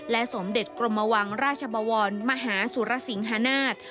สมเด็จกรมวังราชบวรมหาสุรสิงหานาฏ